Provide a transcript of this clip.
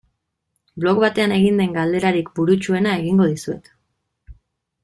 Blog batean egin den galderarik burutsuena egingo dizuet.